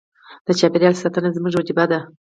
د چاپیریال ساتنه زموږ وجیبه ده.